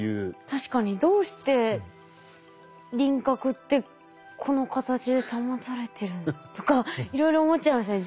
確かにどうして輪郭ってこの形で保たれてるの？とかいろいろ思っちゃいますね。